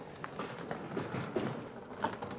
あっ。